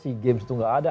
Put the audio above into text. si games itu tidak ada